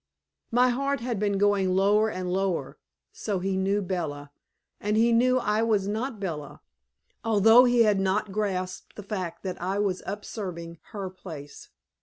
'" My heart had been going lower and lower. So he knew Bella, and he knew I was not Bella, although he had not grasped the fact that I was usurping her place.